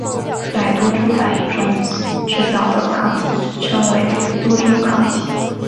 在多株反应中制造的抗体称为多株抗体。